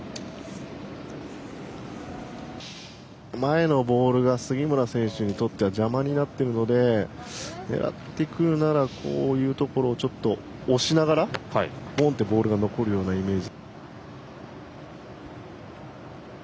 前のボールが杉村選手にとってはじゃまになってるのでねらってくるならこういうところをちょっと押しながらぽんとボールが残るようなイメージ。